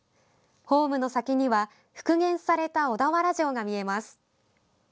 ホームの先には復元された小田原城が見えます。